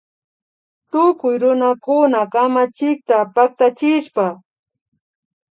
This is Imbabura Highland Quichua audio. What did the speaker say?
Tukuy runakuna kamachikta paktachishpa